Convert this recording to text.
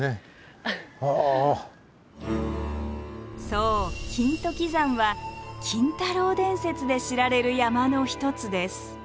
そう金時山は金太郎伝説で知られる山の一つです。